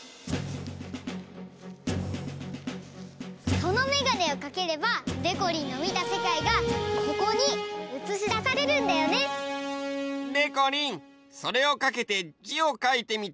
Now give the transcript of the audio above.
そのメガネをかければでこりんのみたせかいがここにうつしだされるんだよね。でこりんそれをかけてじをかいてみて。